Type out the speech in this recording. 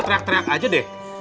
teriak teriak aja deh